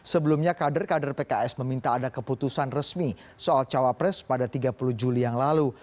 sebelumnya kader kader pks meminta ada keputusan resmi soal cawapres pada tiga puluh juli yang lalu